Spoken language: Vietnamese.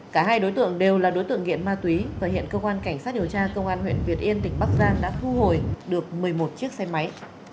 cả hai đối tượng đều là đối tượng nghiện ma túy và hiện cơ quan cảnh sát điều tra công an huyện việt yên tỉnh bắc giang đã thu hồi được một mươi một chiếc xe máy